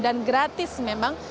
dan gratis memang